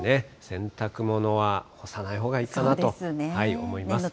洗濯物は干さないほうがいいかなと思います。